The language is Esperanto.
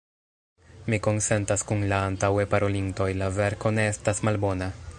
Mi konsentas kun la antaŭe parolintoj – la verko ne estas malbona.